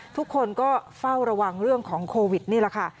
ทุกคนก็เฝ้าระวังเรื่องของโควิดนี่แหละค่ะ